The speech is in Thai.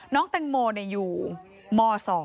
น้องแตงโมอยู่ม๒